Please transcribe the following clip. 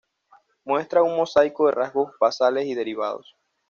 Muestra un mosaico de rasgos basales y derivados.